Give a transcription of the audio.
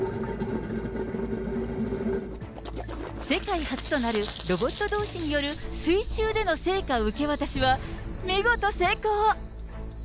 世界初となる、ロボットどうしによる水中での聖火受け渡しは、見事成功。